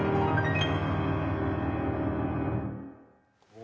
お！